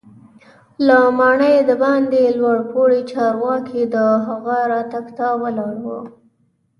له ماڼۍ دباندې لوړ پوړي چارواکي د هغه راتګ ته ولاړ وو.